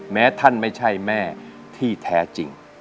แม้ท่านไม่ใช่แม่ที่แท้จริง